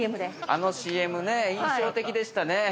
◆あのＣＭね、印象的でしたね。